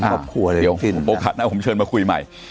ครอบครัวอะไรจริงนะเดี๋ยวผมโปรคัตนะผมเชิญมาคุยใหม่